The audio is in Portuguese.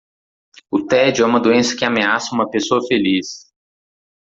O tédio é uma doença que ameaça uma pessoa feliz.